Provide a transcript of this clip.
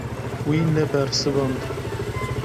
Wî nebersivand.